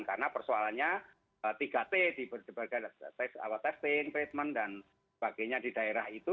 karena persoalannya tiga t di berbagai awal testing treatment dan sebagainya di daerah itu